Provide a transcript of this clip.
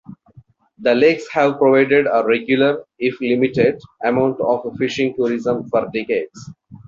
The lakes have provided a regular, if limited, amount of fishing tourism for decades.